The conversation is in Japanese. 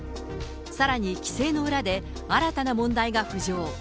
さらに規制の裏で新たな問題が浮上。